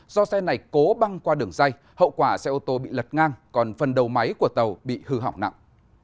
do xe này cố băng qua đường dây hậu quả xe ô tô bị lật ngang còn phần đầu máy của tàu bị hư hỏng nặng